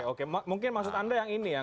oke mungkin maksud anda yang ini ya